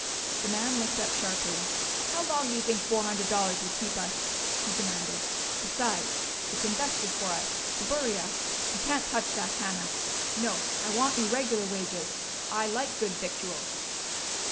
The man looked up sharply. "How long do you think four hundred dollars would keep us?" he demanded. "Besides, it's invested for us to bury us. You can't touch that, Hannah. No, I want me regular wages. I like good victuals!"